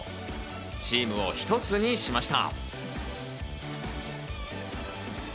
チームをひとつにしました。